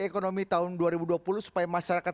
ekonomi tahun dua ribu dua puluh supaya masyarakat